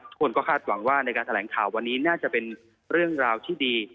คนก็คาดหวังว่าในการแถลงข่าววันนี้น่าจะเป็นเรื่องราวที่ดี